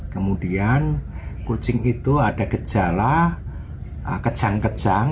kemudian kucing itu ada gejala kejang kejang